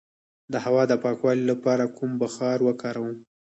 د هوا د پاکوالي لپاره کوم بخار وکاروم؟